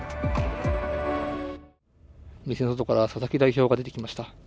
店から佐々木代表が出てきました。